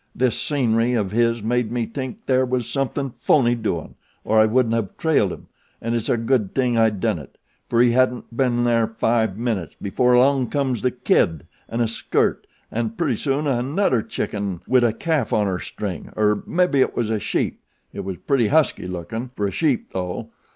This scenery of his made me tink there was something phoney doin', or I wouldn't have trailed him, an' its a good ting I done it, fer he hadn't ben there five minutes before along comes The Kid an' a skirt and pretty soon a nudder chicken wid a calf on a string, er mebbie it was a sheep it was pretty husky lookin' fer a sheep though.